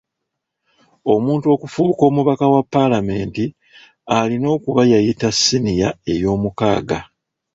Omuntu okufuuka omubaka wa Paalamenti alina okuba yayita siniya eyoomukaaga.